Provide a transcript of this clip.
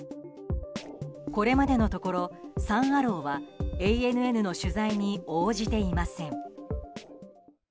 これまでのところサン・アローはＡＮＮの取材に応じていません。